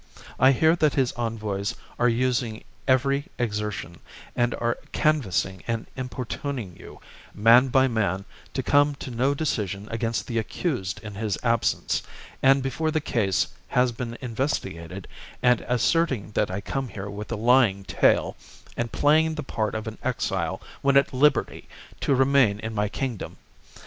I hear that his envoys are using every exertion, and are canvassing and importuning you, man by man, to come to no decision against the accused in his absence, and before the case has been investigated, and asserting that I come here with a lying tale, and playing the part of an exile when at liberty to remain in my kingdom.